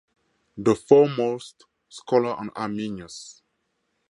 The foremost scholar on Arminius.